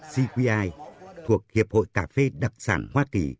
cqi thuộc hiệp hội cà phê đặc sản hoa kỳ